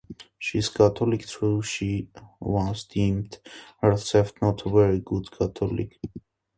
She is Catholic, though she once deemed herself not a very good Catholic.